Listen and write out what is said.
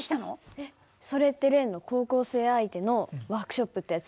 えっそれって例の高校生相手のワークショップってやつ？